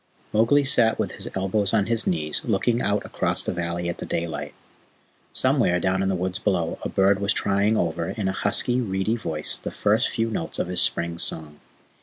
Mowgli sat with his elbows on his knees, looking out across the valley at the daylight. Somewhere down in the woods below a bird was trying over in a husky, reedy voice the first few notes of his spring song.